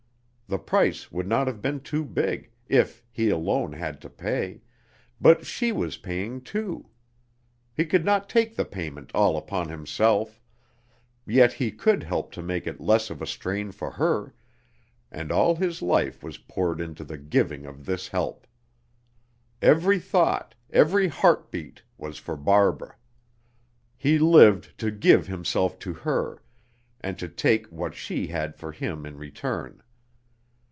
The price would not have been too big, if he alone had to pay, but she was paying too. He could not take the payment all upon himself; yet he could help to make it less of a strain for her, and all his life was poured into the giving of this help. Every thought, every heart beat was for Barbara. He lived to give himself to her, and to take what she had for him in return.